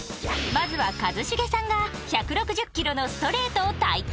まずは、一茂さんが１６０キロのストレートを体験